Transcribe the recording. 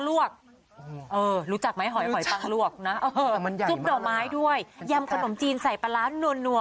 ทุกด่อไม้ด้วยย้ำขนมจีนใส่ปลาแนวนัว